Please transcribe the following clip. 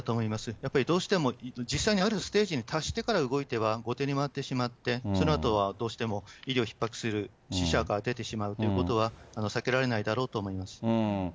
やっぱりどうしても、実際にあるステージに達してから動いては後手に回ってしまって、そのあとはどうしても、医療ひっ迫する、死者が出てしまうということは避けられないだろうと思います。